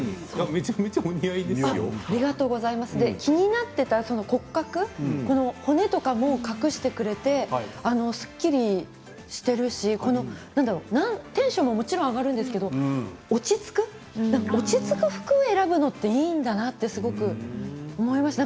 めちゃめちゃ気になっていた骨格骨とかも隠してくれてすっきりしているしテンションももちろん上がるんですけれども落ち着く服を選ぶのっていいんだなと思いました。